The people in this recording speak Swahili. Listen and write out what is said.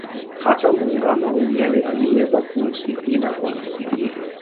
Hata Muungano wenyewe aliweza kuusigina kwa kisigino